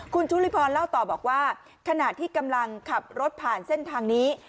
คุณชุลิพรเล่าต่อบอกว่าขณะที่กำลังขับรถผ่านเส้นทางนี้